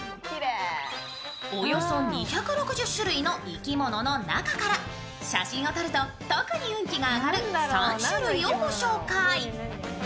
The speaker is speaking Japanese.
およそ２６０種類の生き物の中から、写真を撮ると特に運気が上がる３種類を御紹介。